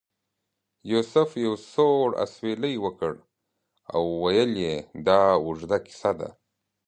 یوسف یو سوړ اسویلی وکړ او ویل یې دا اوږده کیسه ده.